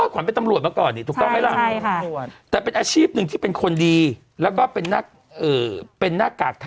คุณฝันรักโรงเรียนอะไรอย่างนั้นน่ะ